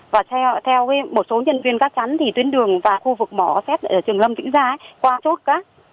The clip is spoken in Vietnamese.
và theo một số nhân viên cá chắn thì tuyến đường và khu vực mỏ xét trường lâm vĩnh gia qua chốt